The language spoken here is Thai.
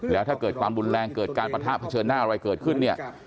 แล้วถ้าเกิดความรุนแรงเกิดการปะทะเผชิญหน้าอะไรเกิดขึ้นเนี่ย